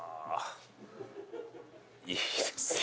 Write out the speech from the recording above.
いいですね。